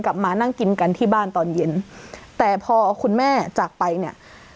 กลับมานั่งกินกันที่บ้านตอนเย็นแต่พอคุณแม่จากไปเนี่ย